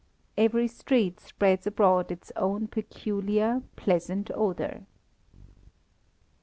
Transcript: Every street spreads abroad its own peculiar, pleasant odour.